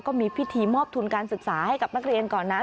ก็มีพิธีมอบทุนการศึกษาให้กับนักเรียนก่อนนะ